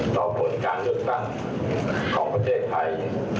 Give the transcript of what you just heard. ผลการเลือกตั้งของประเทศไทย